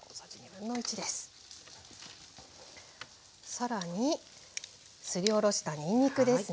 更にすりおろしたにんにくですね。